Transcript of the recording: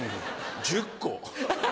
１０個！